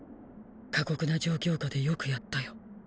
過酷な状況下でよくやったよ